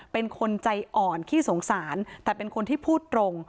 เป็นคนใจอ่อนขี้สงสารแต่เป็นคนที่พูดตรง